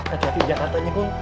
hati hati di jakartanya kum